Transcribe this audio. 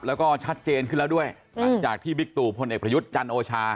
แล้วก็ชัดเจนขึ้นแล้วด้วยหลังจากที่บิ๊กตู่พลเอกประยุทธ์จันโอชา